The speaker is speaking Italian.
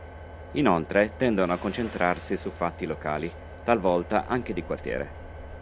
Inoltre tendono a concentrarsi su fatti locali, talvolta anche di quartiere.